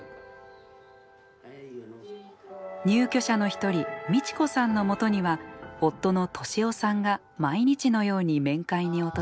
入居者の一人ミチ子さんのもとには夫の利夫さんが毎日のように面会に訪れます。